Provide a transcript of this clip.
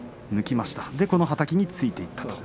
そしてはたきについていったと。